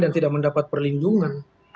dan tidak mendapat perlindungan